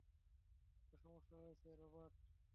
একটা সমস্যা হয়েছে, রবার্ট!